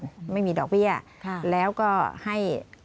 ไม่มีดอกเบี้ยแล้วก็ให้